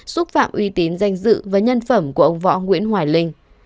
xúc phạm uy tín danh dự và nhân phẩm của ông võ nguyễn hoài linh